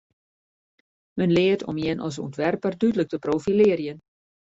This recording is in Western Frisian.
Men leart om jin as ûntwerper dúdlik te profilearjen.